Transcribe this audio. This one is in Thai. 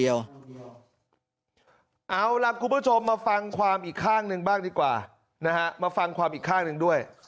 เมื่อฟันภายใจเมือเอาหลัมคุณผู้ชมมาฟังความอีกข้างนึงบ้างดีกว่าน้ามาฟังความอีกข้างหนึ่งด้วย